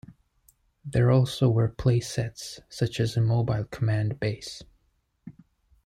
There also were play sets such as a mobile command base.